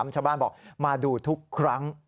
ชาวบ้านบอกมาดูทุกครั้ง